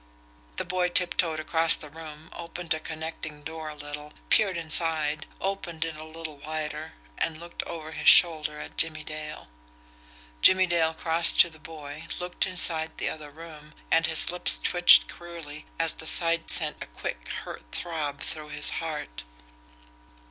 The boy tiptoed across the room, opened a connecting door a little, peered inside, opened it a little wider and looked over his shoulder at Jimmie Dale. Jimmie Dale crossed to the boy, looked inside the other room and his lip twitched queerly, as the sight sent a quick, hurt throb through his heart.